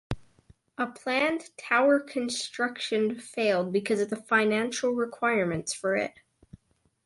A planned tower construction failed because of the financial requirements for it.